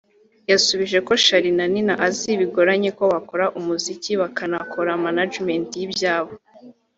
yasubije ko Charly&Nina azi bigoranye ko bakora umuziki bakanakora ‘Management’ y’ibyabo